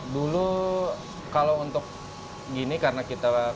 dulu kalau untuk gini karena kita